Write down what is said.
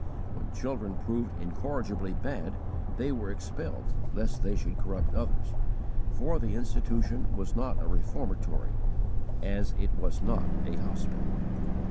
When children proved incorrigibly bad, they were expelled, lest they should corrupt others, for the institution was not a reformatory, as it was not a _hospital.